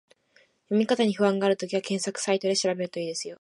読み方に不安があるときは、検索サイトで調べると良いですよ